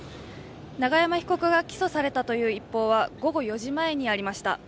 永山被告が起訴されたという一報は、午後４時前にありました。